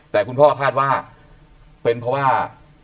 แต่คุณพ่อคาดว่าเป็นเพราะว่า